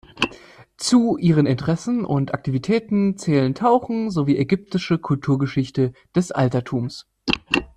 Zu ihren Interessen und Aktivitäten zählen Tauchen sowie ägyptische Kulturgeschichte des Altertums.